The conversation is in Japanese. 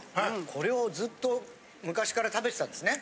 これをずっと昔から食べてたんですね？